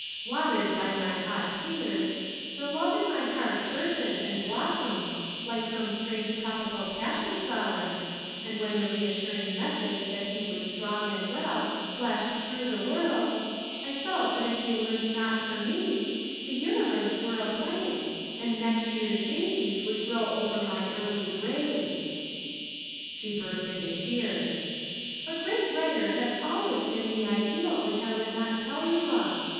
Watered by my hot tears, the love in my heart bourgeoned and blossomed like some strange tropical passion flower, and when the reassuring message that he was strong and well flashed through the world, I felt that if he lived not for me, the universe were a blank and next year's daisies would grow over my early grave." [Illustration: "He I loved was dying in Greenland."] She burst into tears. "A great writer has always been the ideal which I would not tell you of.